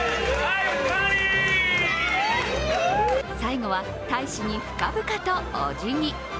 最後は大使に深々とおじぎ。